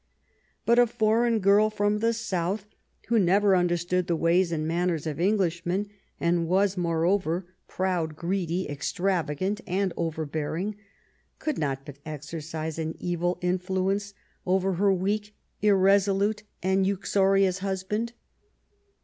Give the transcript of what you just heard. But a foreign girl from the south who never understood the ways and manners of Englishmen, and was, moreover, proud, greedy. 6 EDWARD I CHAP. extravagant, and overbearing, could not but exercise an evil influence over her weak, irresolute, and uxorious husband.